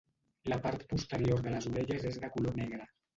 La part posterior de les orelles és de color negre.